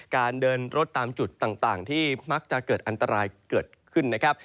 การเดินรถตามจุดต่างที่มักจะเกิดอันตรายเกิดขึ้นนะครับ